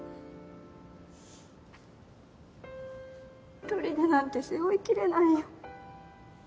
ひとりでなんて背負いきれないよ。